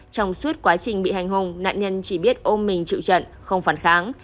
trong suốt quá trình bị hành hùng nạn nhân chỉ biết ôm mình chịu trận không phản kháng